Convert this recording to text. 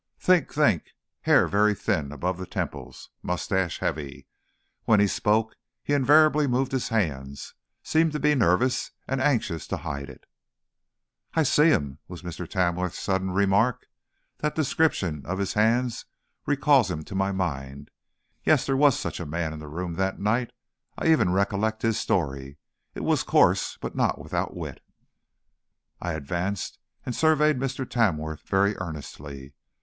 "Think, think. Hair very thin above the temples, mustache heavy. When he spoke he invariably moved his hands; seemed to be nervous, and anxious to hide it." "I see him," was Mr. Tamworth's sudden remark. "That description of his hands recalls him to my mind. Yes; there was such a man in the room that night. I even recollect his story. It was coarse, but not without wit." I advanced and surveyed Mr. Tamworth very earnestly.